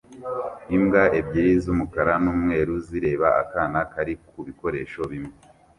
Imbwa ebyiri z'umukara n'umweru zireba akana kari ku bikoresho bimwe